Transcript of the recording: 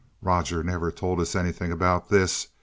"Rogers never told us anything about this.